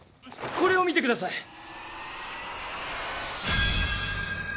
これを見てください。